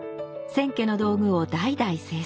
千家の道具を代々製作。